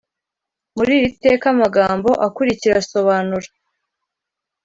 Muri iri teka amagambo akurikira asobanura